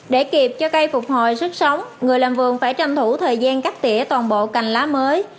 để kịp cho cây phục hồi sức sống người làm vườn phải tranh thủ thời gian cắt tỉa toàn bộ cành lá mới